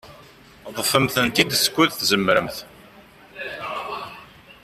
Ḍḍfemt-ten-id skud tzemremt.